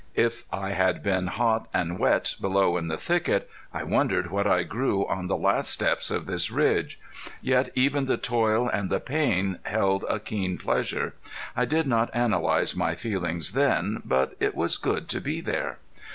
If I had been hot and wet below in the thicket I wondered what I grew on the last steps of this ridge. Yet even the toil and the pain held a keen pleasure. I did not analyze my feelings then, but it was good to be there.